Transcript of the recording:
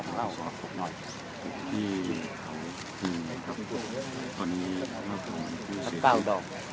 สวัสดีครับ